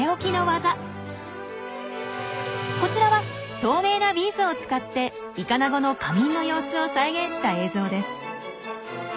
こちらは透明なビーズを使ってイカナゴの夏眠の様子を再現した映像です。